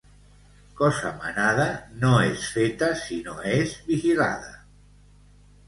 Cosa manada no és feta si no és vigilada.